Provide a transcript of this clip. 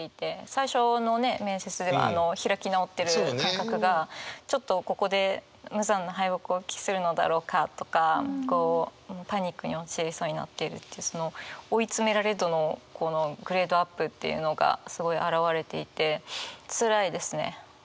最初のね面接では開き直ってる感覚がちょっとここで「無残な敗北を喫するのだろうか」とかこう「パニックに陥りそうになっている」っていうその追い詰められ度のこのグレードアップっていうのがすごい表れていてつらいですね。